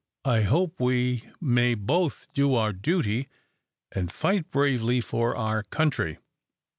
I hope we may both do our duty, and fight bravely for our country.